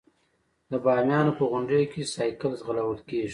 د بامیانو په غونډیو کې سایکل ځغلول کیږي.